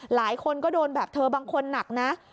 หลายคนก็โดนแบบเธอบางคนหนักนะ